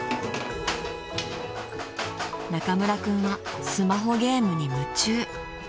［中村君はスマホゲームに夢中］